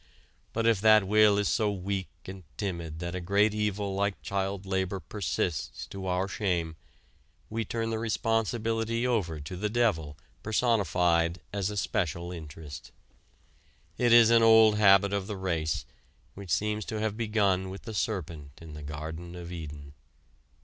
But if that will is so weak and timid that a great evil like child labor persists to our shame we turn the responsibility over to the devil personified as a "special interest." It is an old habit of the race which seems to have begun with the serpent in the Garden of Eden.